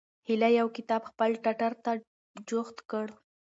هیلې یو کتاب خپل ټټر ته جوخت کړ.